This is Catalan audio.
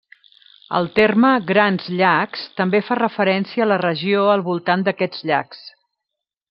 El terme Grans Llacs també fa referència a la regió al voltant d'aquests llacs.